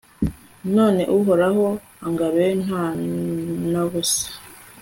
none uhoraho angaruye nta na busa